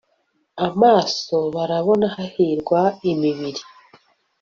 Amaso Barabona Hahirwa imibiri